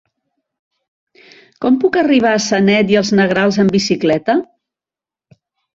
Com puc arribar a Sanet i els Negrals amb bicicleta?